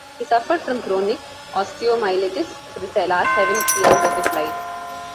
He suffered from chronic osteomyelitis for the last seven years of his life.